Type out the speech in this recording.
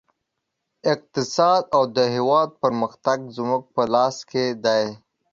اقتصاد او د هېواد پرمختګ زموږ په لاس کې دی